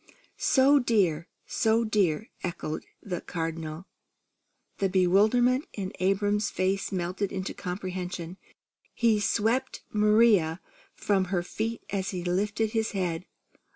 "So dear! So dear!" echoed the Cardinal. The bewilderment in Abram's face melted into comprehension. He swept Maria from her feet as he lifted his head.